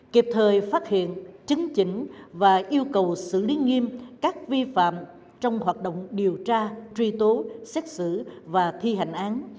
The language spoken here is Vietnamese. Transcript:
kịp thời phát hiện chứng chỉnh và yêu cầu xử lý nghiêm các vi phạm trong hoạt động điều tra truy tố xét xử và thi hành án